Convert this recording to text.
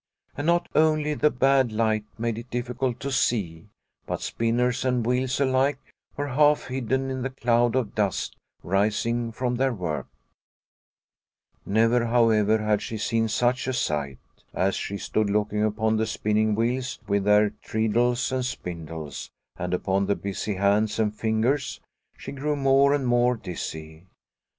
And not only the bad light made it difficult to see, but spinners and wheels alike were half hidden in the cloud of dust rising from their work. 22 Liliecrona's Home Never, however, had she seen such a sight. As she stood looking upon the spinning wheels with their treadles and spindles, and upon the busy hands and fingers, she grew more and more dizzy.